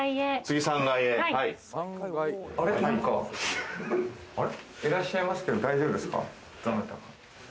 誰かいらっしゃいますけど大丈夫ですか？